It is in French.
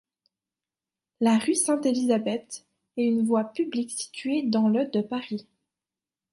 La rue Sainte-Élisabeth est une voie publique située dans le de Paris.